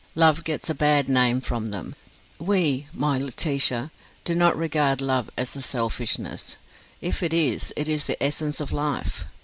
Love gets a bad name from them. We, my Laetitia, do not regard love as a selfishness. If it is, it is the essence of life.